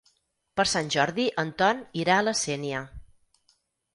Per Sant Jordi en Ton irà a la Sénia.